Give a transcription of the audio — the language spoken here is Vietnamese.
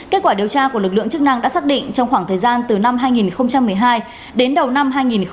kết quả điều tra của lực lượng chức năng đã xác định trong khoảng thời gian từ năm hai nghìn một mươi hai đến đầu năm hai nghìn một mươi tám